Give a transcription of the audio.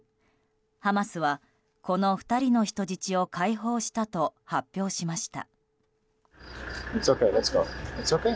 ハマスは、この２人の人質を解放したと発表しました。